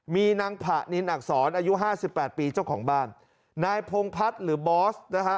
มีนางผะนินอักษรอายุห้าสิบแปดปีเจ้าของบ้านนายพงพัฒน์หรือบอสนะฮะ